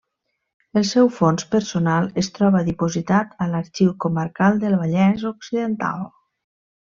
El seu fons personal es troba dipositat a l'Arxiu Comarcal del Vallès Occidental.